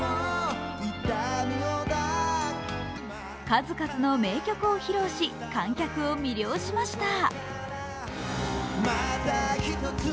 数々の名曲を披露し、観客を魅了しました。